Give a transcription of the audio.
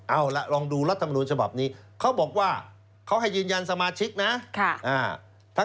เอาล่ะลองดูรัฐมนูญฉบับนี้เขาบอกว่าเขาให้ยืนยันสมาชิกนะ